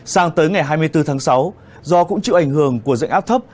sang tới ngày hai mươi bốn tháng sáu do cũng chịu ảnh hưởng của dạnh áp thấp